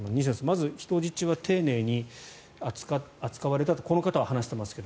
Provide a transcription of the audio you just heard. まず人質は丁寧に扱われたとこの方は話していますが